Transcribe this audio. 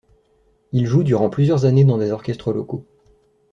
Il joue durant plusieurs années dans des orchestres locaux.